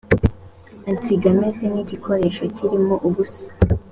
ansiga meze nk igikoresho kirimo ubusa